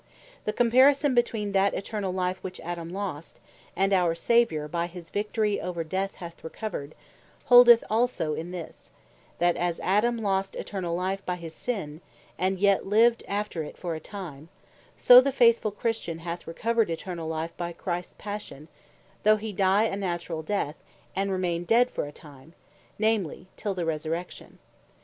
The comparison between that Eternall life which Adam lost, and our Saviour by his Victory over death hath recovered; holdeth also in this, that as Adam lost Eternall Life by his sin, and yet lived after it for a time; so the faithful Christian hath recovered Eternal Life by Christs passion, though he die a natural death, and remaine dead for a time; namely, till the Resurrection.